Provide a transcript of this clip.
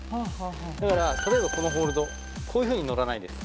例えばこのホールド、こういうふうに乗らないんです。